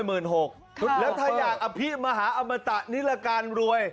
ือพี่มาหาอมอตัหนิระกันรวย